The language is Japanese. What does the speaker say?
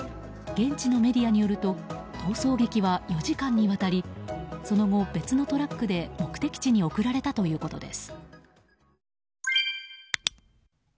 現地のメディアによると逃走劇は４時間にわたりその後、別のトラックで目的地に送られたということです。